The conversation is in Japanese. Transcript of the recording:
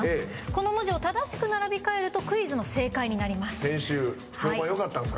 この文字を正しく並び替えるとクイズの正解になります。